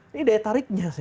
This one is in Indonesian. ini daya tariknya